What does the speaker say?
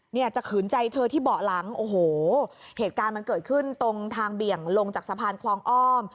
เนี่ยจะขืนใจเธอที่เบาะหลังโอ้โหเหตุการณ์มันเกิดขึ้นตรงทางเบี่ยงลงจากสะพานคลองอ้อม